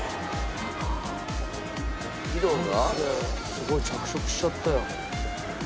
すごい着色しちゃったよ。